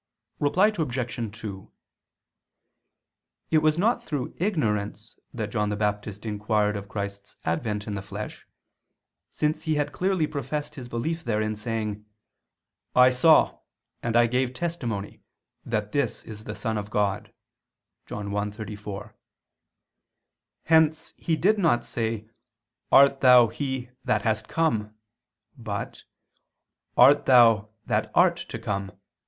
Reply Obj. 2: It was not through ignorance that John the Baptist inquired of Christ's advent in the flesh, since he had clearly professed his belief therein, saying: "I saw, and I gave testimony, that this is the Son of God" (John 1:34). Hence he did not say: "Art Thou He that hast come?" but "Art Thou He that art to come?"